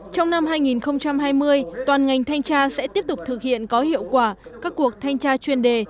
trong năm hai nghìn hai mươi toàn ngành thanh tra sẽ tiếp tục thực hiện có hiệu quả các cuộc thanh tra chuyên đề